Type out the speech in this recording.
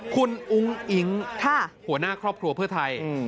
คุณอุ้งอิ๊งหัวหน้าครอบครัวเพื่อไทย